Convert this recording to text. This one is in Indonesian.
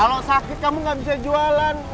kalau sakit kamu gak bisa jualan